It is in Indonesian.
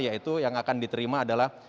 yaitu yang akan diterima adalah